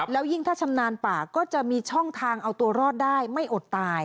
แล้วยิ่งถ้าชำนาญป่าก็จะมีช่องทางเอาตัวรอดได้ไม่อดตาย